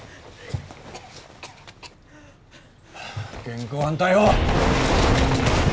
現行犯逮捕！